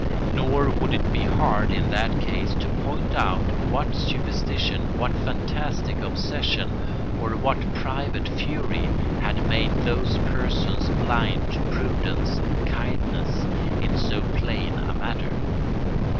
Nor would it be hard, in that case, to point out what superstition, what fantastic obsession, or what private fury, had made those persons blind to prudence and kindness in so plain a matter.